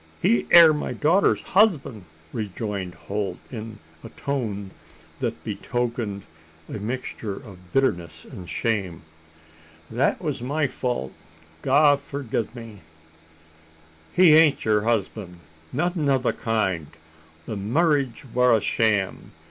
"He air my daughter's husband," rejoined Holt, in a tone that betokened a mixture of bitterness and shame. "That was my fault, God forgi' me!" "He ain't her husband nothin' o' the kind. The marriage war a sham.